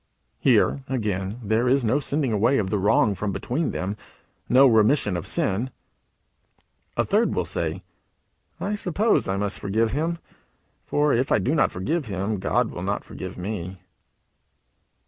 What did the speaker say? Here, again, there is no sending away of the wrong from between them no remission of the sin. A third will say: "I suppose I must forgive him; for if I do not forgive him, God will not forgive me."